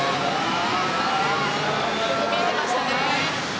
よく見えていましたね。